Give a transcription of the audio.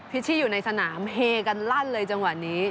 ชชี่อยู่ในสนามเฮกันลั่นเลยจังหวะนี้